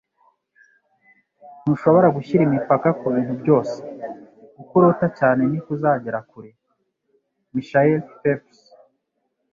Ntushobora gushyira imipaka kubintu byose. Uko urota cyane, ni ko uzagera kure. ”- Michael Phelps